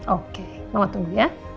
oke mama tunggu ya